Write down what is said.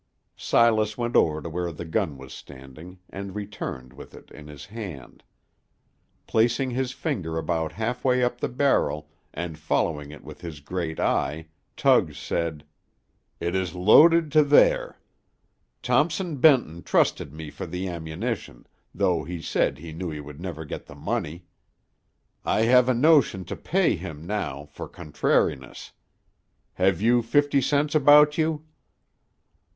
Silas went over to where the gun was standing, and returned with it in his hand. Placing his finger about half way up the barrel, and following it with his great eye, Tug said, "It is loaded to there. Thompson Benton trusted me for the ammunition, though he said he knew he would never get the money. I have a notion to pay him now, for contrariness. Have you fifty cents about you?"